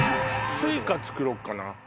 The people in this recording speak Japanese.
Ｓｕｉｃａ作ろっかな。